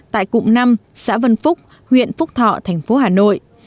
tại cụm năm xã vân phúc huyện phúc thọ thành phố hà nội